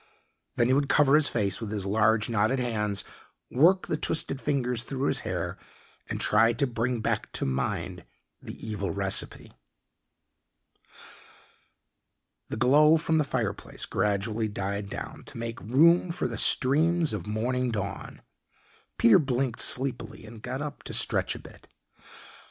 Then he would cover his face with his large, knotted hands, work the twisted fingers through his hair, and try to bring back to mind the evil recipe. The glow from the fireplace gradually died down to make room for the streams of morning dawn. Peter blinked sleepily and got up to stretch a bit.